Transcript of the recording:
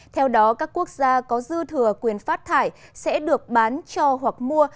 theo đó các quốc gia có dư thừa quyền phát thải sẽ được bán cho hoặc mua